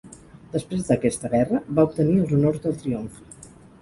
Després d'aquesta guerra va obtenir els honors del triomf.